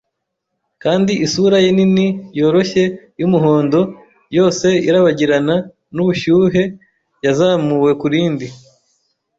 kandi isura ye nini, yoroshye, yumuhondo, yose irabagirana nubushyuhe, yazamuwe kurindi